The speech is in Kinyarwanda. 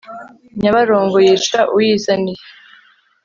nyabarongo yica uyizaniye